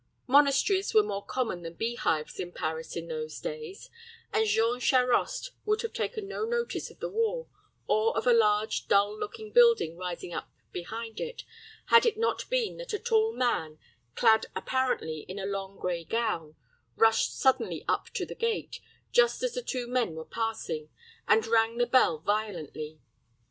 Monasteries were more common than bee hives in Paris in those days, and Jean Charost would have taken no notice of the wall, or of a large, dull looking building rising up behind it, had it not been that a tall man, clad apparently in a long gray gown, rushed suddenly up to the gate, just as the two men were passing, and rang the bell violently.